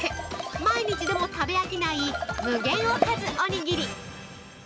毎日でも食べ飽きない無限おかずおにぎり。